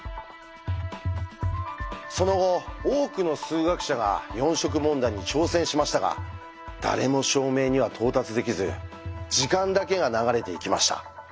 その後多くの数学者が四色問題に挑戦しましたが誰も証明には到達できず時間だけが流れていきました。